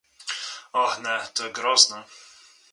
Oh ne, to je grozno!